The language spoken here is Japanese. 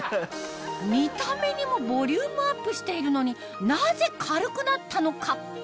見た目にもボリュームアップしているのになぜ軽くなったのか？